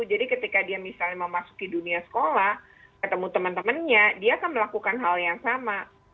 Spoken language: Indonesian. jadi ketika dia misalnya mau masuk dunia sekolah ketemu teman temannya dia akan melakukan hal yang sama